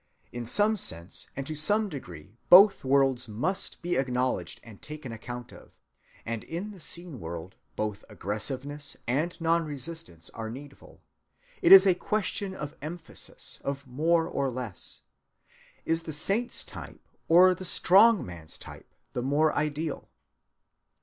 In some sense and to some degree both worlds must be acknowledged and taken account of; and in the seen world both aggressiveness and non‐resistance are needful. It is a question of emphasis, of more or less. Is the saint's type or the strong‐man's type the more ideal?